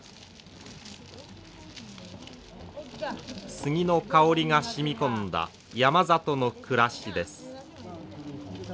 杉の香りが染み込んだ山里の暮らしです。